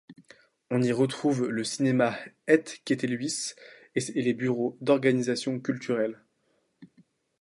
On y trouve le cinéma Het Ketelhuis et les bureaux d'organisations culturelles.